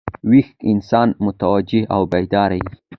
ویښ انسان متوجه او بیداره يي.